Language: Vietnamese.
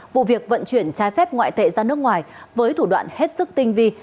vụ việc vận chuyển trái phép ngoại tệ ra nước ngoài với thủ đoạn hết sức tinh vi